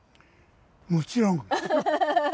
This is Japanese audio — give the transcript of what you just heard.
もちろん。